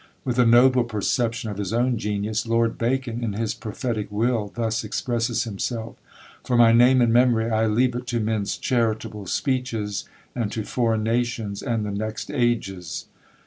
With a noble perception of his own genius, Lord Bacon, in his prophetic Will, thus expresses himself: "For my name and memory, I leave it to men's charitable speeches, and to foreign nations, and the next ages."